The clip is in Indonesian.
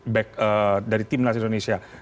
back dari tim nasional indonesia